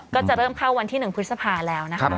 ก็จะเริ่มเข้าวันที่๑พฤษภาแล้วนะคะ